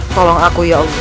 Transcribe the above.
tolong aku ya allah